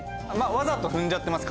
わざと踏んじゃってます。